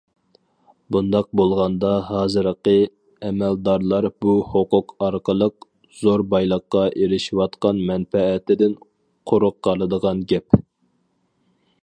بۇنداق بولغاندا ھازىرقى ئەمەلدارلار بۇ ھوقۇق ئارقىلىق زور بايلىققا ئېرىشىۋاتقان مەنپەئەتىدىن قۇرۇق قالىدىغان گەپ.